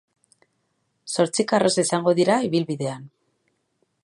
Zortzi karroza izango dira ibilbidean.